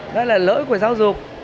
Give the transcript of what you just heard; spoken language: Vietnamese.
đó là lỗi của giáo dục